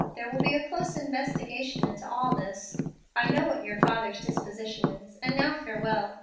There will be a close investigation into all this. I know what your father's disposition is. And now farewell.